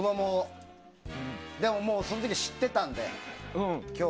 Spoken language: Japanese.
でももうその時は知ってたので。